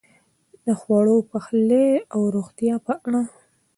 د خوړو، پخلی او روغتیا په اړه: